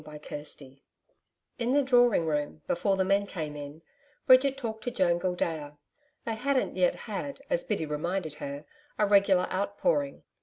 CHAPTER 10 In the drawing room, before the men came in, Bridget talked to Joan Gildea. They hadn't yet had, as Biddy reminded her, a regular outpouring.